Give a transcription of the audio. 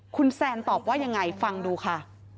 คุณแซนตอบว่ายังไงฟังดูค่ะ